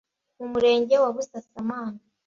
Mu Murenge wa Busasamana